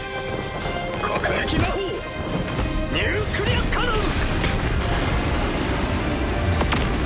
核撃魔法ニュークリアカノン！